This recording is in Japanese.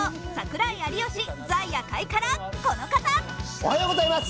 おはようございます。